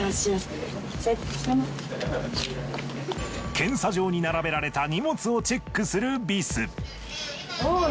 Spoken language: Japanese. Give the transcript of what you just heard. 検査場に並べられた荷物をチェックするビス。